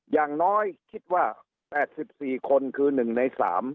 อย่างน้อยคิดว่า๘๔คนคือ๑ใน๓